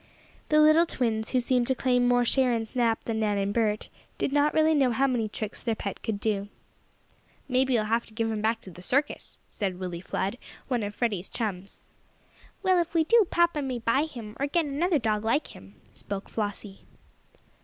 The little twins, who seemed to claim more share in Snap than did Nan and Bert, did not really know how many tricks their pet could do. "Maybe you'll have to give him back to the circus," said Willie Flood, one of Freddie's chums. "Well, if we do, papa may buy him, or get another dog like him," spoke Flossie.